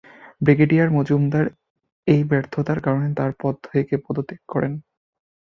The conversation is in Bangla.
ব্রিগেডিয়ার মজুমদার এই ব্যর্থতার কারণে তার পদ থেকে পদত্যাগ করেন।